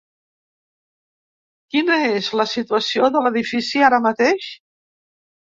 Quina és la situació de l’edifici ara mateix?